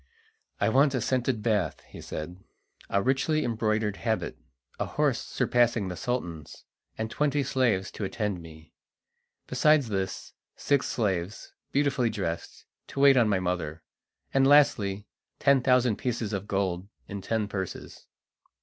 "I want a scented bath," he said, "a richly embroidered habit, a horse surpassing the Sultan's, and twenty slaves to attend me. Besides this, six slaves, beautifully dressed, to wait on my mother; and lastly, ten thousand pieces of gold in ten purses."